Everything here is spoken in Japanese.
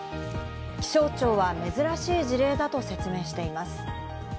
気象庁は珍しい事例だと説明しています。